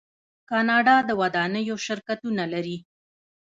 کاناډا د ودانیو شرکتونه لري.